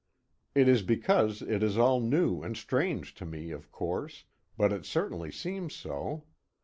It is because it is all new and strange to me, of course, but it certainly seems so.